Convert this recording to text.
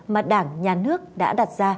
mà đảng nhà nước đã đặt ra